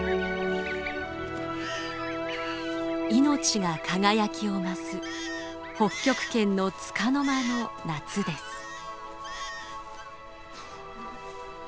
命が輝きを増す北極圏のつかの間の夏です。